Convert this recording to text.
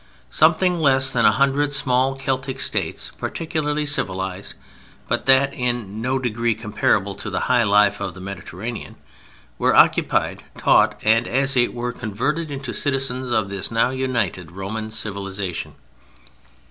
Something less than a hundred small Celtic States, partially civilized (but that in no degree comparable to the high life of the Mediterranean), were occupied, taught, and, as it were, "converted" into citizens of this now united Roman civilization.